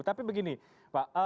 tapi begini pak